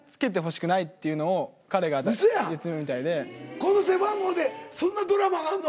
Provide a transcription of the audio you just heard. この背番号でそんなドラマがあんの？